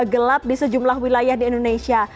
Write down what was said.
gelap di sejumlah wilayah di indonesia